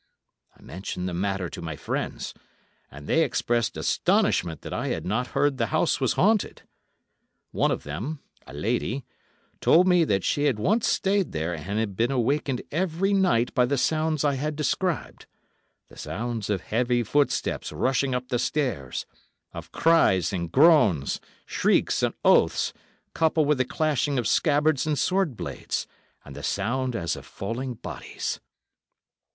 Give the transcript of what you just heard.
I mentioned the matter to my friends, and they expressed astonishment that I had not heard the house was haunted. One of them, a lady, told me that she had once stayed there and had been awakened every night by the sounds I had described—the sounds of heavy footsteps rushing up the stairs, of cries and groans, shrieks and oaths, coupled with the clashing of scabbards and sword blades, and the sound as of falling bodies.